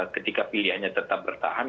ketika pilihannya tetap bertahan